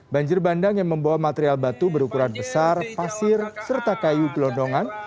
banjir bandang yang membawa material batu berukuran besar pasir serta kayu gelondongan